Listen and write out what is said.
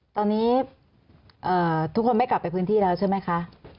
ตอนนี้ทุกคนไม่กลับไปพื้นที่แล้วใช่ไหมคะ